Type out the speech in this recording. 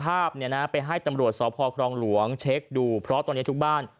ภาพเนี่ยนะไปให้ตำรวจสพครองหลวงเช็คดูเพราะตอนนี้ทุกบ้าน